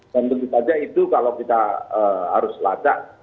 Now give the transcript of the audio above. dan begitu saja itu kalau kita harus lajak